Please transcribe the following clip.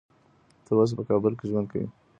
تر اوسه په کابل کې ژوند کوي.